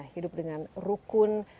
hidup dengan rukun